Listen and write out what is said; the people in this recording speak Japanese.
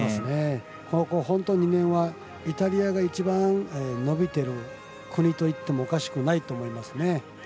ここ２年はイタリアが一番伸びてる国といってもおかしくないと思いますね。